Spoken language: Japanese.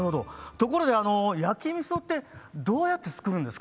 ところで焼き味噌ってどうやって作るんですか？